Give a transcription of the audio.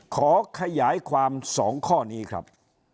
ขอขยายความ๒ข้อนี้ครับ